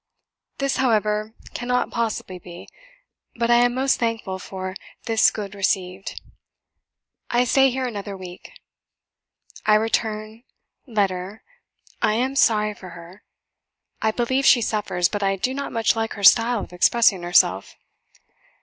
This, however, cannot possibly be; but I am most thankful for the good received. I stay here another week. "I return 's letter. I am sorry for her: I believe she suffers; but I do not much like her style of expressing herself.